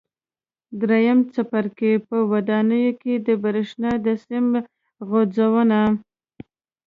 درېیم څپرکی: په ودانیو کې د برېښنا د سیم غځونه